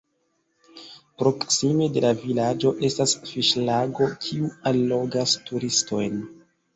Proksime de la vilaĝo estas fiŝlago, kiu allogas turistojn.